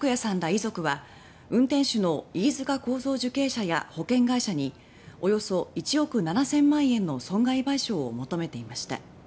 遺族は、運転手の飯塚幸三受刑者や保険会社におよそ１億７０００万円の損害賠償を求めていました。